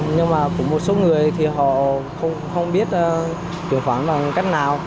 nhưng mà cũng một số người thì họ không biết truyền khoản bằng cách nào